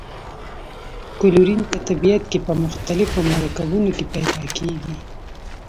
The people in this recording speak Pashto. کلورین په طبیعت کې په مختلفو مرکبونو کې پیداکیږي.